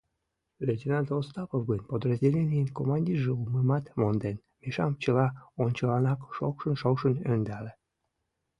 Лейтенант Остапов гын подразделенийын командирже улмымат монден: Мишам чыла ончыланак шокшын-шокшын ӧндале.